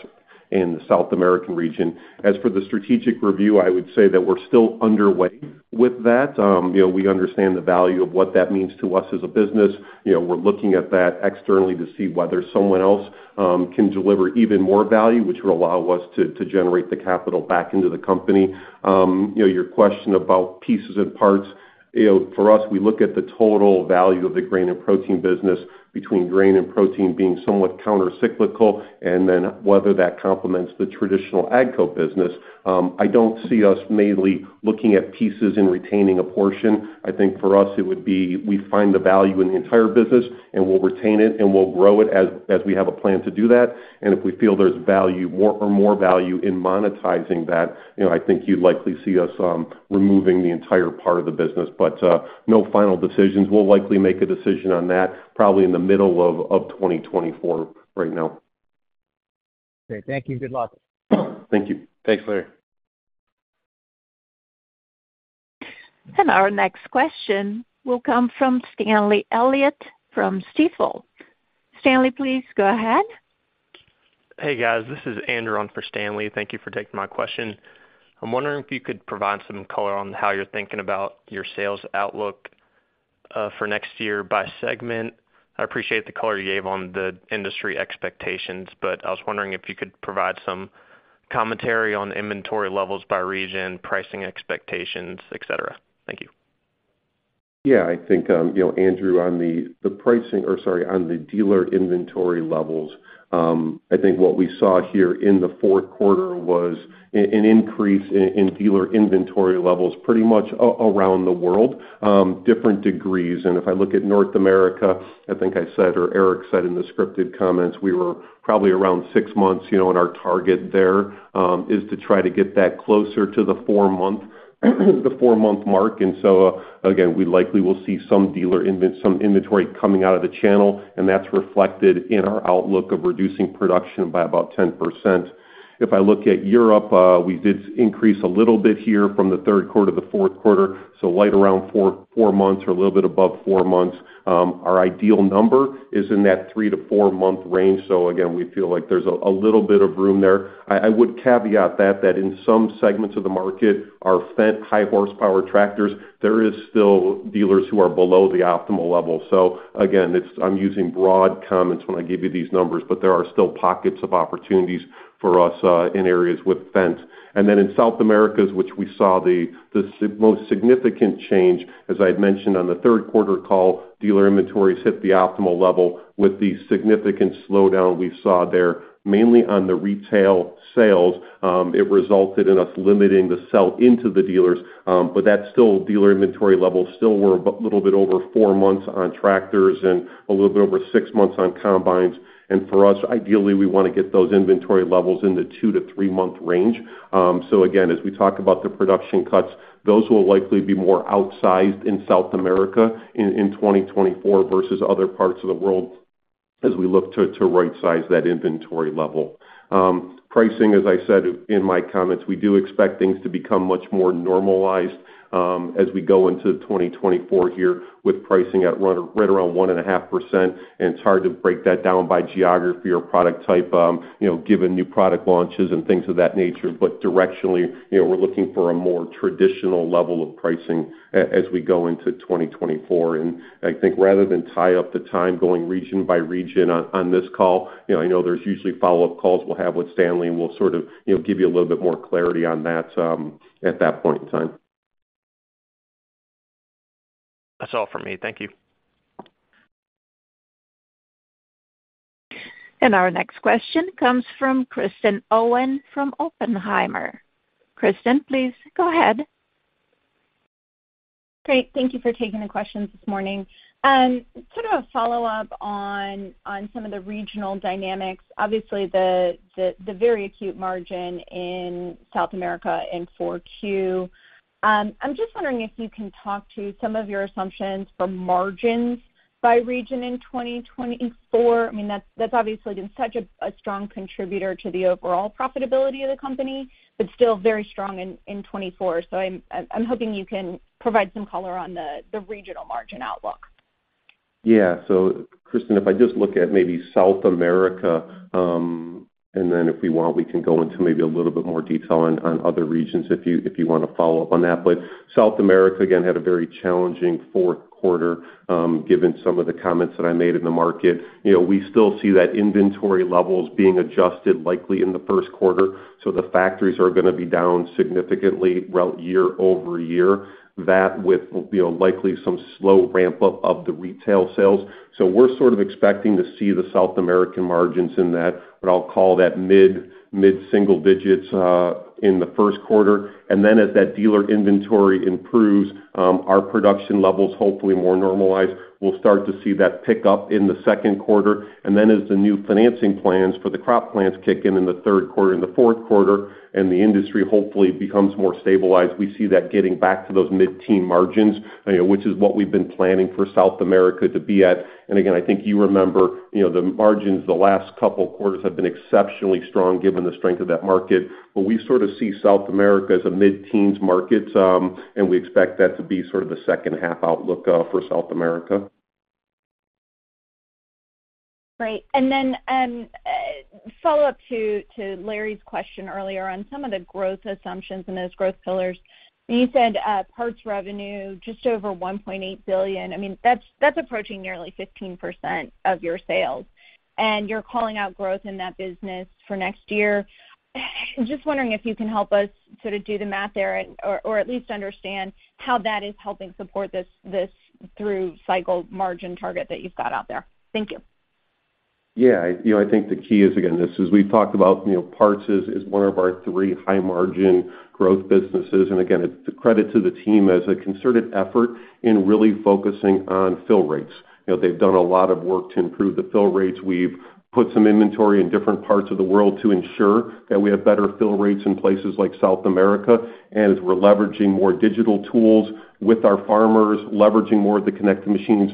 and the South America region. As for the strategic review, I would say that we're still underway with that. You know, we understand the value of what that means to us as a business. You know, we're looking at that externally to see whether someone else can deliver even more value, which will allow us to generate the capital back into the company. You know, your question about pieces and parts, you know, for us, we look at the total value of the Grain and Protein business between grain and protein being somewhat countercyclical, and then whether that complements the traditional AGCO business. I don't see us mainly looking at pieces and retaining a portion. I think for us, it would be, we find the value in the entire business, and we'll retain it, and we'll grow it as we have a plan to do that. And if we feel there's more value in monetizing that, you know, I think you'd likely see us removing the entire part of the business, but no final decisions. We'll likely make a decision on that probably in the middle of 2024 right now. Great. Thank you. Good luck. Thank you. Thanks, Larry. Our next question will come from Stanley Elliott from Stifel. Stanley, please go ahead. Hey, guys. This is Andrew on for Stanley. Thank you for taking my question. I'm wondering if you could provide some color on how you're thinking about your sales outlook for next year by segment. I appreciate the color you gave on the industry expectations, but I was wondering if you could provide some commentary on inventory levels by region, pricing expectations, et cetera. Thank you. Yeah, I think, you know, Andrew, on the, the pricing or sorry, on the dealer inventory levels, I think what we saw here in the fourth quarter was an increase in dealer inventory levels, pretty much around the world, different degrees. And if I look at North America, I think I said, or Eric said in the scripted comments, we were probably around six months, you know, and our target there is to try to get that closer to the four-month, the four-month mark. And so again, we likely will see some inventory coming out of the channel, and that's reflected in our outlook of reducing production by about 10%. If I look at Europe, we did increase a little bit here from the third quarter to the fourth quarter, so right around 4, 4 months or a little bit above 4 months. Our ideal number is in that 3- to 4-month range. So again, we feel like there's a little bit of room there. I would caveat that in some segments of the market, our Fendt high horsepower tractors, there is still dealers who are below the optimal level. So again, it's. I'm using broad comments when I give you these numbers, but there are still pockets of opportunities for us in areas with Fendt. Then in South America, which we saw the most significant change, as I'd mentioned on the third quarter call, dealer inventories hit the optimal level with the significant slowdown we saw there, mainly on the retail sales. It resulted in us limiting the sell into the dealers, but that's still dealer inventory levels, still we're a little bit over four months on tractors and a little bit over six months on combines. And for us, ideally, we wanna get those inventory levels in the two to three-month range. So again, as we talk about the production cuts, those will likely be more outsized in South America in 2024 versus other parts of the world... as we look to rightsize that inventory level. Pricing, as I said in my comments, we do expect things to become much more normalized, as we go into 2024 here, with pricing at right around 1.5%. And it's hard to break that down by geography or product type, you know, given new product launches and things of that nature. But directionally, you know, we're looking for a more traditional level of pricing as we go into 2024. And I think rather than tie up the time going region by region on this call, you know, I know there's usually follow-up calls we'll have with Stanley, and we'll sort of, you know, give you a little bit more clarity on that, at that point in time. That's all for me. Thank you. Our next question comes from Kristen Owen from Oppenheimer. Kristen, please go ahead. Great. Thank you for taking the questions this morning. Sort of a follow-up on some of the regional dynamics. Obviously, the very acute margin in South America in 2022. I'm just wondering if you can talk to some of your assumptions for margins by region in 2024. I mean, that's obviously been such a strong contributor to the overall profitability of the company, but still very strong in 2024. So I'm hoping you can provide some color on the regional margin outlook. Yeah. So Kristen, if I just look at maybe South America, and then if we want, we can go into maybe a little bit more detail on, on other regions, if you, if you want to follow up on that. But South America, again, had a very challenging fourth quarter, given some of the comments that I made in the market. You know, we still see that inventory levels being adjusted likely in the first quarter. So the factories are gonna be down significantly well, year over year. That with, you know, likely some slow ramp-up of the retail sales. So we're sort of expecting to see the South American margins in that, what I'll call that mid, mid-single digits, in the first quarter. And then as that dealer inventory improves, our production levels hopefully more normalized. We'll start to see that pick up in the second quarter. And then as the new financing plans for the crop plans kick in, in the third quarter and the fourth quarter, and the industry hopefully becomes more stabilized, we see that getting back to those mid-teen margins, you know, which is what we've been planning for South America to be at. And again, I think you remember, you know, the margins the last couple of quarters have been exceptionally strong given the strength of that market. But we sort of see South America as a mid-teens market, and we expect that to be sort of the second half outlook, for South America. Great. And then, follow-up to Larry's question earlier on some of the growth assumptions and those growth pillars. You said, Parts revenue just over $1.8 billion. I mean, that's approaching nearly 15% of your sales, and you're calling out growth in that business for next year. Just wondering if you can help us sort of do the math there, or at least understand how that is helping support this through cycle margin target that you've got out there. Thank you. Yeah, you know, I think the key is, again, this is we've talked about, you know, Parts is, is one of our three high margin growth businesses. And again, it's a credit to the team as a concerted effort in really focusing on fill rates. You know, they've done a lot of work to improve the fill rates. We've put some inventory in different parts of the world to ensure that we have better fill rates in places like South America. And as we're leveraging more digital tools with our farmers, leveraging more of the connected machines,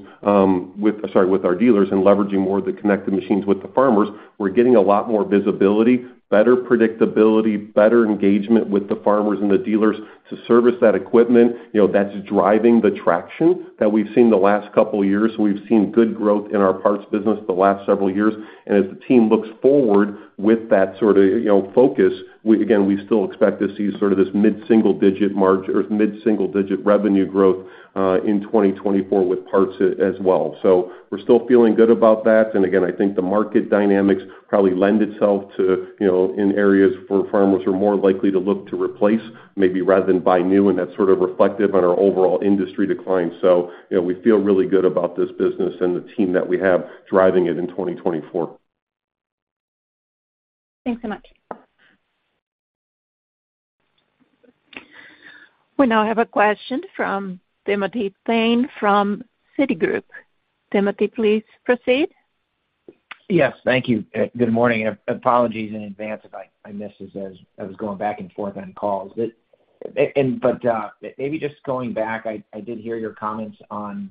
with... Sorry, with our dealers, and leveraging more of the connected machines with the farmers, we're getting a lot more visibility, better predictability, better engagement with the farmers and the dealers to service that equipment. You know, that's driving the traction that we've seen the last couple of years. We've seen good growth in our parts business the last several years, and as the team looks forward with that sort of, you know, focus, we again, we still expect to see sort of this mid-single digit margin, or mid-single digit revenue growth, in 2024 with parts as well. So we're still feeling good about that. And again, I think the market dynamics probably lend itself to, you know, in areas where farmers are more likely to look to replace maybe rather than buy new, and that's sort of reflective on our overall industry decline. So, you know, we feel really good about this business and the team that we have driving it in 2024. Thanks so much. We now have a question from Timothy Thein from Citigroup. Timothy, please proceed. Yes, thank you. Good morning, and apologies in advance if I missed this as I was going back and forth on calls. But maybe just going back, I did hear your comments on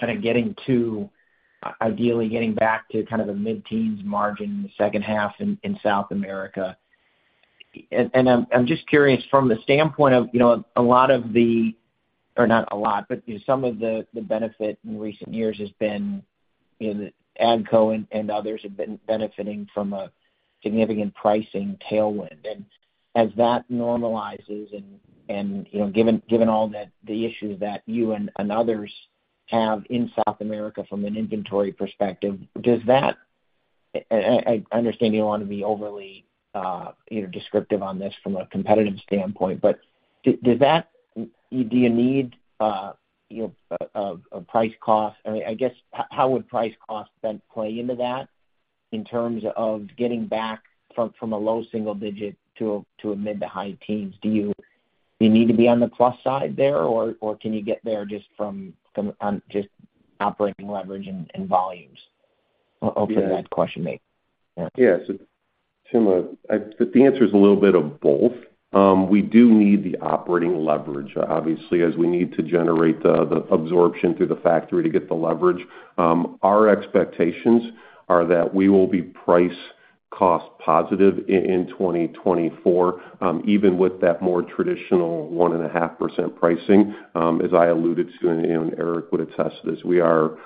kind of getting to-ideally getting back to kind of the mid-teens margin in the second half in South America. And I'm just curious, from the standpoint of, you know, a lot of the, or not a lot, but some of the benefit in recent years has been, you know, AGCO and others have been benefiting from a significant pricing tailwind. And as that normalizes and, you know, given all the issues that you and others have in South America from an inventory perspective, does that... I understand you don't want to be overly, you know, descriptive on this from a competitive standpoint, but does that - do you need, you know, a price-cost? I guess, how would price-cost then play into that in terms of getting back from a low single digit to a mid to high teens? Do you need to be on the plus side there, or can you get there just from just operating leverage and volumes? I'm hoping that question makes sense. Yeah. So, Tim, the answer is a little bit of both. We do need the operating leverage, obviously, as we need to generate the absorption through the factory to get the leverage. Our expectations are that we will be price-cost positive in 2024, even with that more traditional 1.5% pricing. As I alluded to, and Eric would attest to this, we are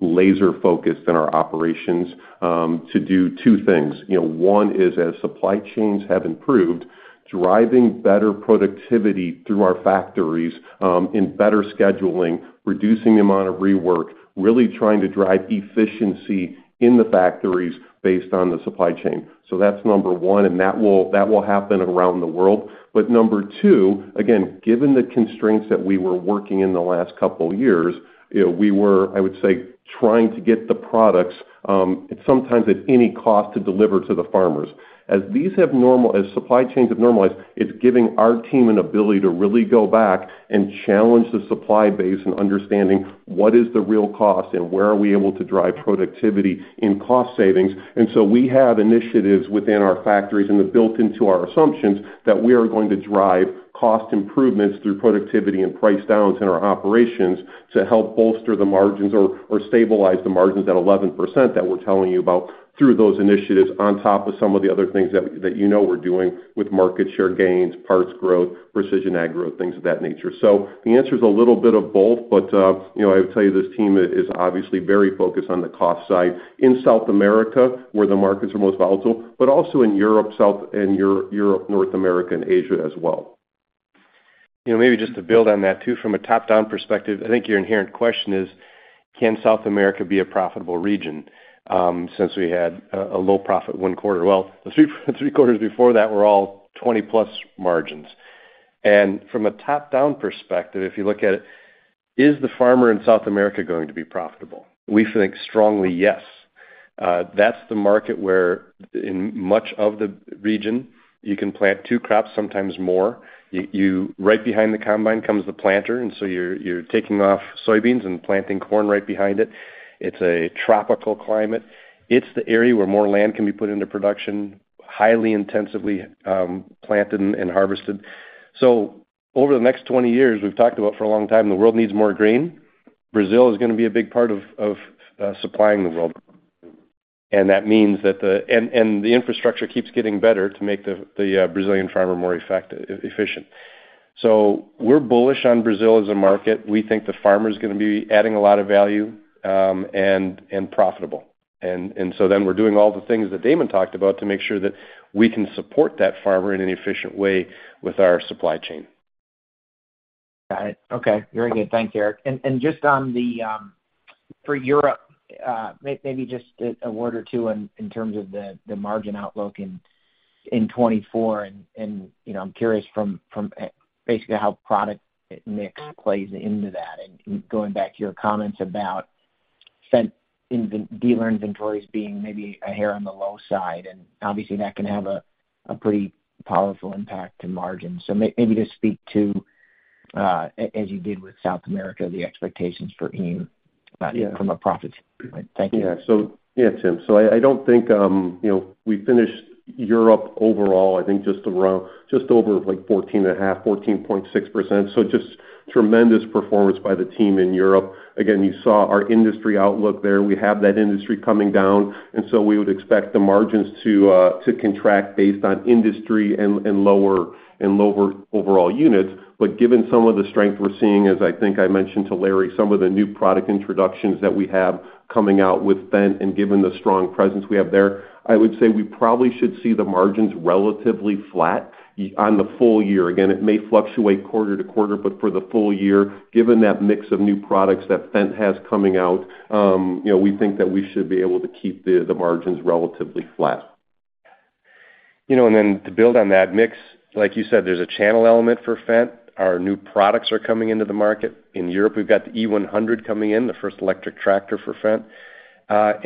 laser focused in our operations to do two things. You know, one is, as supply chains have improved, driving better productivity through our factories, in better scheduling, reducing the amount of rework, really trying to drive efficiency in the factories based on the supply chain. So that's number one, and that will, that will happen around the world. But number two, again, given the constraints that we were working in the last couple of years, you know, we were, I would say, trying to get the products, sometimes at any cost, to deliver to the farmers. As supply chains have normalized, it's giving our team an ability to really go back and challenge the supply base in understanding what is the real cost and where are we able to drive productivity in cost savings. And so we have initiatives within our factories and they're built into our assumptions that we are going to drive cost improvements through productivity and price downs in our operations to help bolster the margins or stabilize the margins at 11% that we're telling you about through those initiatives, on top of some of the other things that you know we're doing with market share gains, parts Precision Ag growth, things of that nature. So the answer is a little bit of both, but you know, I would tell you this team is obviously very focused on the cost side in South America, where the markets are most volatile, but also in Europe, North America and Asia as well. You know, maybe just to build on that, too, from a top-down perspective, I think your inherent question is: Can South America be a profitable region? Since we had a low profit one quarter. Well, the three quarters before that were all 20+ margins. And from a top-down perspective, if you look at it, is the farmer in South America going to be profitable? We think strongly, yes. That's the market where in much of the region, you can plant two crops, sometimes more. Right behind the combine comes the planter, and so you're taking off soybeans and planting corn right behind it. It's a tropical climate. It's the area where more land can be put into production, highly intensively, planted and harvested. So over the next 20 years, we've talked about for a long time, the world needs more grain. Brazil is gonna be a big part of supplying the world. And that means that the infrastructure keeps getting better to make the Brazilian farmer more effective, efficient. So we're bullish on Brazil as a market. We think the farmer is gonna be adding a lot of value, and profitable. And so then we're doing all the things that Damon talked about to make sure that we can support that farmer in an efficient way with our supply chain. Got it. Okay. Very good. Thanks, Eric. And just on the for Europe, maybe just a word or two in terms of the margin outlook in 2024. And you know, I'm curious from basically how product mix plays into that, and going back to your comments about Fendt dealer inventories being maybe a hair on the low side, and obviously, that can have a pretty powerful impact to margins. So maybe just speak to as you did with South America, the expectations for EMEA from a profit standpoint. Thank you. Yeah. So, yeah, Tim. So I, I don't think, you know, we finished Europe overall, I think just around, just over, like, 14.5, 14.6%. So just tremendous performance by the team in Europe. Again, you saw our industry outlook there. We have that industry coming down, and so we would expect the margins to to contract based on industry and, and lower, and lower overall units. But given some of the strength we're seeing, as I think I mentioned to Larry, some of the new product introductions that we have coming out with Fendt and given the strong presence we have there, I would say we probably should see the margins relatively flat y- on the full year. Again, it may fluctuate quarter to quarter, but for the full year, given that mix of new products that Fendt has coming out, you know, we think that we should be able to keep the margins relatively flat. You know, and then to build on that mix, like you said, there's a channel element for Fendt. Our new products are coming into the market. In Europe, we've got the e100 coming in, the first electric tractor for Fendt.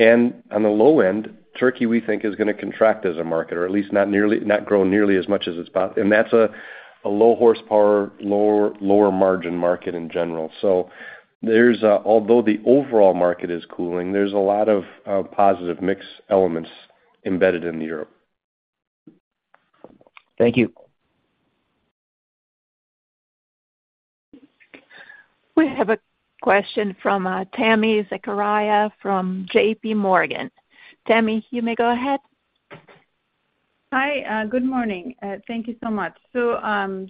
And on the low end, Turkey, we think, is gonna contract as a market, or at least not nearly not grow nearly as much as it's and that's a low horsepower, lower margin market in general. So there's a, although the overall market is cooling, there's a lot of positive mix elements embedded in Europe. Thank you. We have a question from Tami Zakaria from J.P. Morgan. Tami, you may go ahead. Hi, good morning. Thank you so much. So,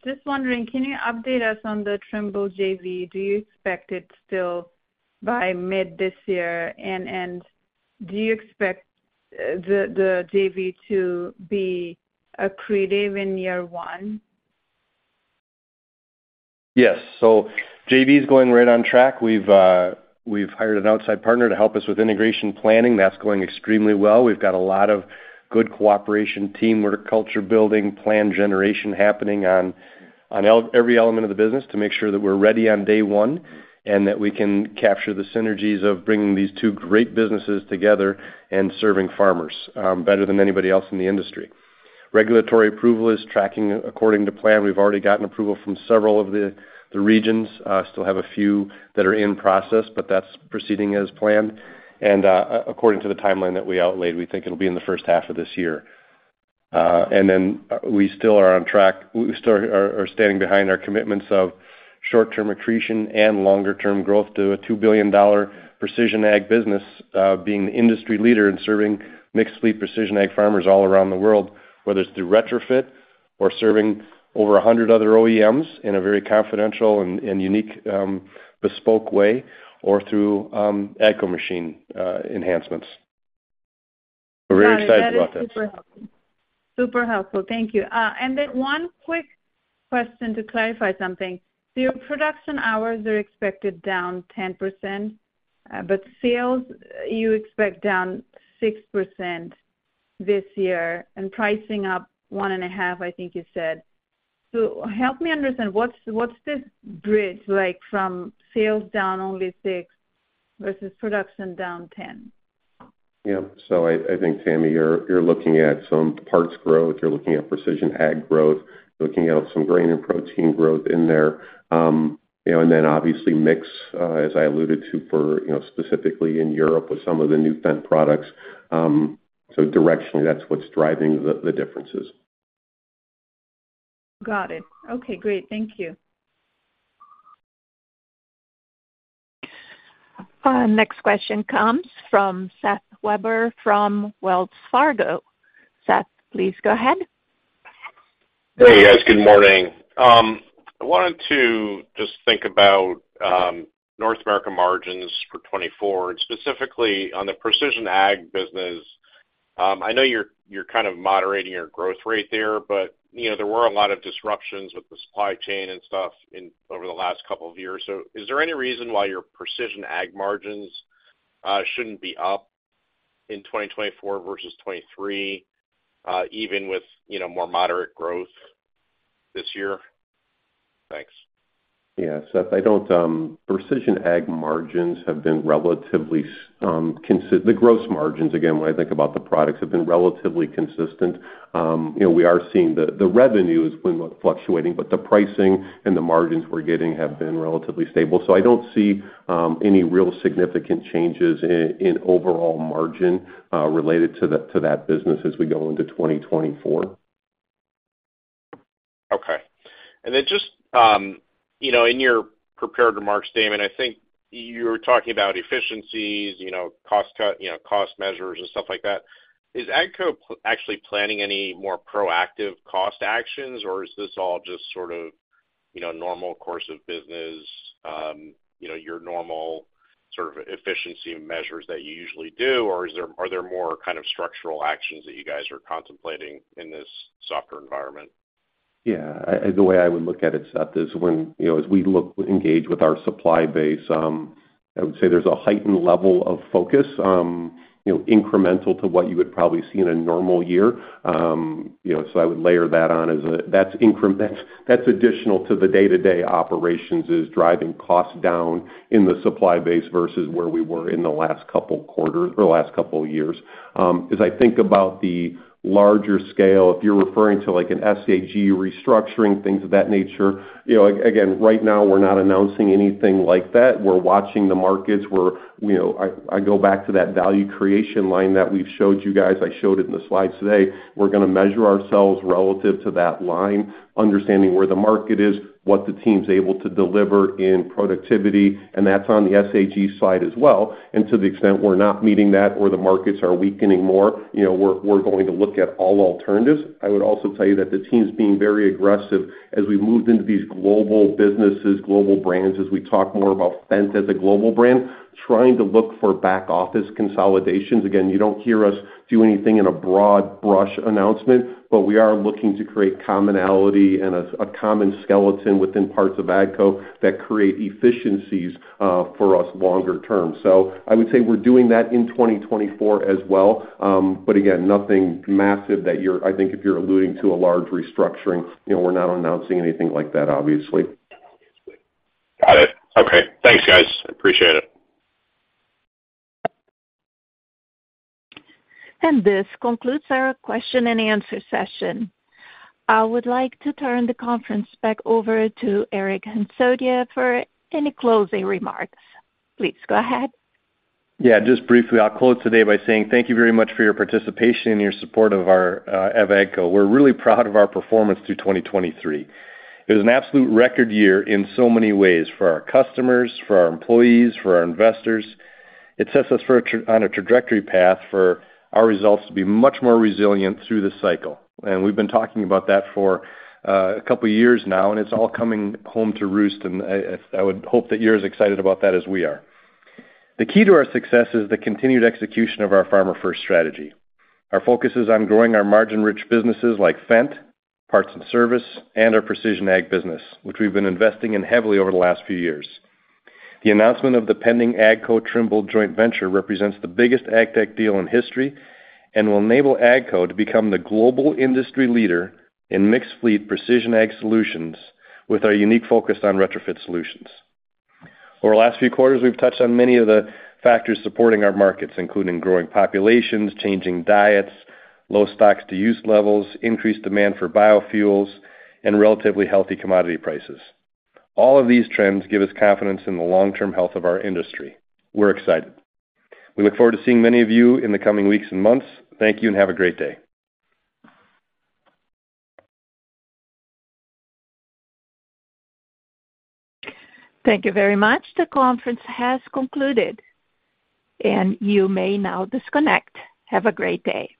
just wondering, can you update us on the Trimble JV? Do you expect it still by mid this year? And, do you expect the JV to be accretive in year one? Yes. So JV is going right on track. We've hired an outside partner to help us with integration planning. That's going extremely well. We've got a lot of good cooperation, teamwork, culture building, plan generation happening on every element of the business to make sure that we're ready on day one, and that we can capture the synergies of bringing these two great businesses together and serving farmers better than anybody else in the industry. Regulatory approval is tracking according to plan. We've already gotten approval from several of the regions. Still have a few that are in process, but that's proceeding as planned. According to the timeline that we outlaid, we think it'll be in the first half of this year. Then we still are on track. We still are standing behind our commitments of short-term accretion and longer-term growth to a $2 billion Precision Ag business, being the industry leader in serving mixed Precision Ag farmers all around the world, whether it's through retrofit or serving over 100 other OEMs in a very confidential and unique bespoke way, or through AGCO machine enhancements. We're very excited about this. Super helpful. Thank you. And then one quick question to clarify something. So your production hours are expected down 10%, but sales, you expect down 6% this year, and pricing up 1.5%, I think you said. So help me understand, what's, what's this bridge like from sales down only six versus production down ten? Yeah. So I think, Tami, you're looking at some parts growth, you're looking Precision Ag growth, you're looking at some Grain & Protein growth in there. You know, and then obviously, mix, as I alluded to, for you know, specifically in Europe with some of the new Fendt products. So directionally, that's what's driving the differences. Got it. Okay, great. Thank you. Next question comes from Seth Weber, from Wells Fargo. Seth, please go ahead. Hey, guys. Good morning. I wanted to just think about North America margins for 2024, and specifically on Precision Ag business. I know you're, you're kind of moderating your growth rate there, but, you know, there were a lot of disruptions with the supply chain and stuff in... over the last couple of years. So is there any reason why Precision Ag margins shouldn't be up in 2024 versus 2023, even with, you know, more moderate growth this year? Thanks. Yeah, Seth, I Precision Ag margins have been relatively, the gross margins, again, when I think about the products, have been relatively consistent. You know, we are seeing the, the revenue has been fluctuating, but the pricing and the margins we're getting have been relatively stable. So I don't see, any real significant changes in, in overall margin, related to that, to that business as we go into 2024. Okay. And then just, you know, in your prepared remarks statement, I think you're talking about efficiencies, you know, cost cut, you know, cost measures and stuff like that. Is AGCO actually planning any more proactive cost actions, or is this all just sort of, you know, normal course of business, you know, your normal sort of efficiency measures that you usually do? Or is there, are there more kind of structural actions that you guys are contemplating in this softer environment? Yeah. The way I would look at it, Seth, is when, you know, as we look, engage with our supply base, I would say there's a heightened level of focus, you know, incremental to what you would probably see in a normal year. You know, so I would layer that on as a, that's increment- that's additional to the day-to-day operations is driving costs down in the supply base versus where we were in the last couple quarters or last couple years. As I think about the larger scale, if you're referring to, like, an SG&A restructuring, things of that nature, you know, again, right now, we're not announcing anything like that. We're watching the markets. We're, you know, I, I go back to that value creation line that we've showed you guys. I showed it in the slides today. We're gonna measure ourselves relative to that line, understanding where the market is, what the team's able to deliver in productivity, and that's on the SG&A side as well. And to the extent we're not meeting that or the markets are weakening more, you know, we're going to look at all alternatives. I would also tell you that the team's being very aggressive as we've moved into these global businesses, global brands, as we talk more about Fendt as a global brand, trying to look for back office consolidations. Again, you don't hear us do anything in a broad brush announcement, but we are looking to create commonality and a common skeleton within parts of AGCO that create efficiencies for us longer term. So I would say we're doing that in 2024 as well. But again, nothing massive that you're... I think if you're alluding to a large restructuring, you know, we're not announcing anything like that, obviously. Got it. Okay. Thanks, guys. I appreciate it. This concludes our question and answer session. I would like to turn the conference back over to Eric Hansotia for any closing remarks. Please go ahead. Yeah, just briefly, I'll close today by saying thank you very much for your participation and your support of our of AGCO. We're really proud of our performance through 2023. It was an absolute record year in so many ways for our customers, for our employees, for our investors. It sets us for a tra- on a trajectory path for our results to be much more resilient through this cycle. And we've been talking about that for a couple of years now, and it's all coming home to roost. And I would hope that you're as excited about that as we are. The key to our success is the continued execution of our Farmer-First strategy. Our focus is on growing our margin-rich businesses like Fendt, Parts and Service, and Precision Ag business, which we've been investing in heavily over the last few years. The announcement of the pending AGCO-Trimble joint venture represents the biggest ag tech deal in history and will enable AGCO to become the global industry leader in mixed Precision Ag solutions, with our unique focus on retrofit solutions. Over the last few quarters, we've touched on many of the factors supporting our markets, including growing populations, changing diets, low stocks-to-use levels, increased demand for biofuels, and relatively healthy commodity prices. All of these trends give us confidence in the long-term health of our industry. We're excited. We look forward to seeing many of you in the coming weeks and months. Thank you, and have a great day. Thank you very much. The conference has concluded, and you may now disconnect. Have a great day.